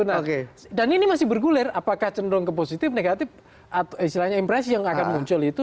nah dan ini masih bergulir apakah cenderung ke positif negatif istilahnya impresi yang akan muncul itu